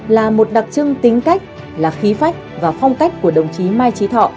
là một đặc trưng tính cách là khí phách và phong cách của đồng chí mai trí thọ